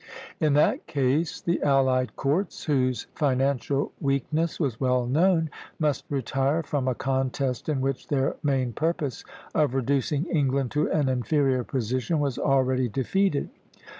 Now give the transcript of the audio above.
In that case the allied courts, whose financial weakness was well known, must retire from a contest in which their main purpose of reducing England to an inferior position was already defeated.